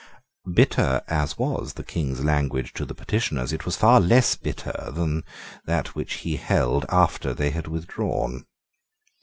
Bitter as was the King's language to the petitioners, it was far less bitter that that which he held after they had withdrawn.